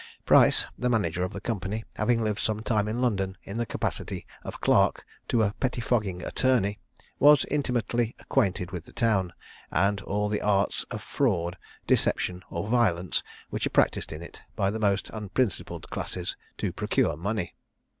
Price, the manager of the company, having lived some time in London, in the capacity of clerk to a pettifogging attorney, was intimately acquainted with the town, and all the arts of fraud, deception, or violence, which are practised in it by the most unprincipled classes to procure money.